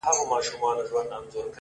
د مقدسي فلسفې د پيلولو په نيت.